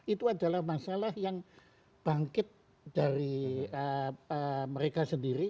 itu adalah masalah yang bangkit dari mereka sendiri